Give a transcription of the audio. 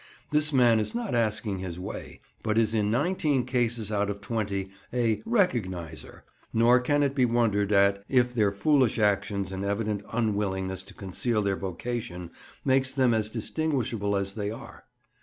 This man is not asking his way, but is in nineteen cases out of twenty a "recogniser"; nor can it be wondered at if their foolish actions and evident unwillingness to conceal their vocation makes them as distinguishable as they are.